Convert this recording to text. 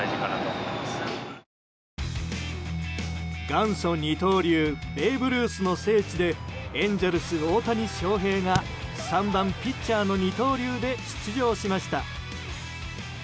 元祖二刀流ベーブ・ルースの聖地でエンゼルス大谷翔平が３番ピッチャーの二刀流で出場しました。